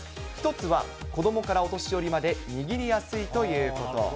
１つは、子どもからお年寄りまで握りやすいということ。